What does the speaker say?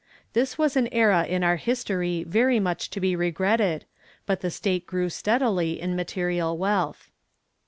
This was an era in our history very much to be regretted, but the state grew steadily in material wealth.